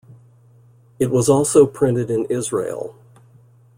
It was also printed in Israel.